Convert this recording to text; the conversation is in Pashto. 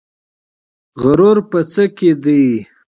غرور په څه کې دی؟